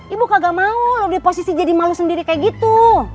ibu kagak mau loh di posisi jadi malu sendiri kayak gitu